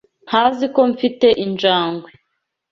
Ntazi ko mfite injangwe.